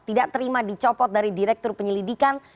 tidak terima dicopot dari direktur penyelidikan